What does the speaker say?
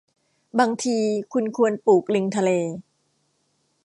บางทีคุณควรปลูกลิงทะเล